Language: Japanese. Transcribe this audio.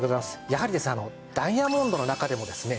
やはりですねダイヤモンドの中でもですね